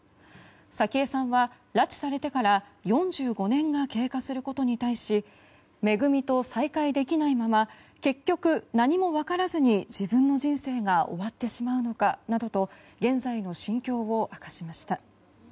早紀江さんは拉致されてから４５年が経過することに対しめぐみと再会できないまま結局、何も分からずに自分の人生が終わってしまうのかなどと現在の心境を明かしました。